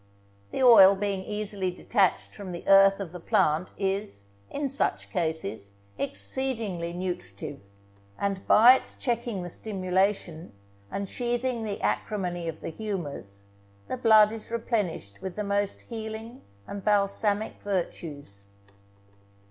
The oil being easily detached from the earth of the plant is, in such cases, exceedingly nutritive, and, by its checking the stimulation, and sheathing the acrimony of the humours, the blood is replenished with the most healing and balsamic virtues.